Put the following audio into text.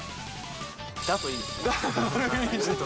だといいですね。